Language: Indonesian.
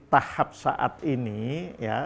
tahap saat ini ya